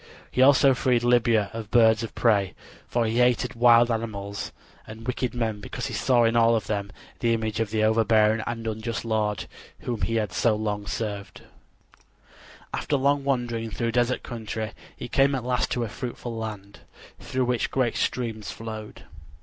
He also freed Libya of birds of prey; for he hated wild animals and wicked men because he saw in all of them the image of the overbearing and unjust lord whom he so long had served. After long wandering through desert country he came at last to a fruitful land, through which great streams flowed.